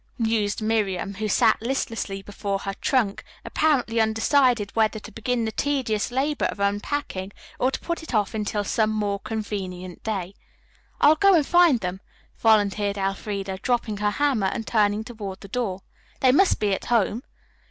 mused Miriam, who sat listlessly before her trunk, apparently undecided whether to begin the tedious labor of unpacking or to put it off until some more convenient day. "I'll go and find them," volunteered Elfreda, dropping her hammer and turning toward the door. "They must be at home."